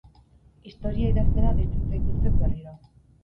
Historia idaztera deitzen zaituztet berriro.